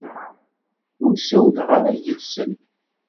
Ur ssawleɣ ara yid-sen.